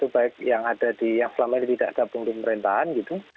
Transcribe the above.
baik yang selama ini tidak gabung dengan pemerintahan gitu